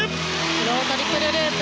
スロートリプルループ。